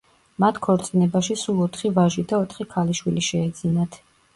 მათ ქორწინებაში სულ ოთხი ვაჟი და ოთხი ქალიშვილი შეეძინათ.